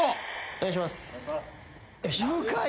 お願いします。